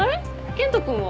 健人君は？